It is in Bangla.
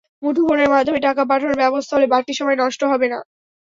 মুঠোফোনের মাধ্যমে টাকা পাঠানোর ব্যবস্থা হলে বাড়তি সময় নষ্ট হবে না।